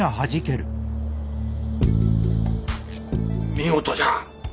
見事じゃ。